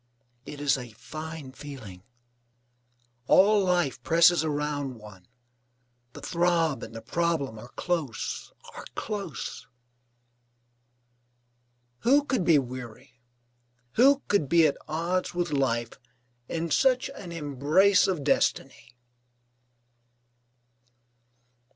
It is a fine feeling. All life presses around one, the throb and the problem are close, are close. Who could be weary, who could be at odds with life, in such an embrace of destiny?